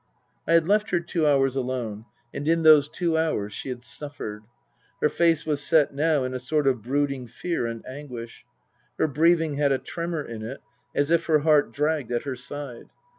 I had left her two hours alone ; and in those two hours she had suffered. Her face was set now in a sort of brood ing fear and anguish ; her breathing had a tremor in it, as if her heart dragged at her side.